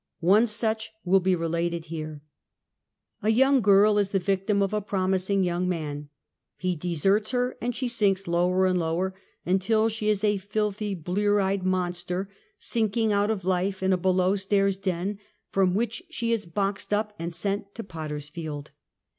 One such will be related here : A young girl is the victim of a promising young man. He deserts her and she sinks lower and lower until she is a filthy blear eyed monster, sinking out of life in a below stairs den, from which she is boxed oip and sent to ''potter's field."